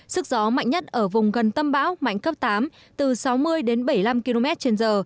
sức gió mạnh nhất ở vùng gần tâm bão mạnh cấp tám từ sáu mươi đến bảy mươi năm km trên giờ